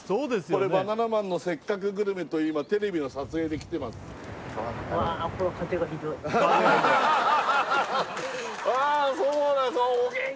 これ「バナナマンのせっかくグルメ！！」という今テレビの撮影で来てますハハハハハハ！